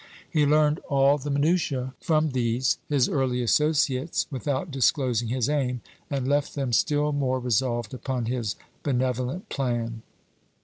He learned all the minutiæ from these his early associates without disclosing his aim, and left them still more resolved upon his benevolent plan.